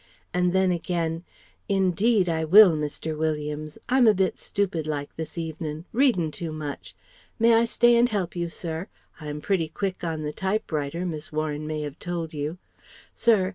And then again "Indeed I will, Mr. Williams. I'm a bit stupidlike this evenin' ... readin' too much.... May I stay and help you, Sir? I'm pretty quick on the typewriter, Miss Warren may have told you ... Sir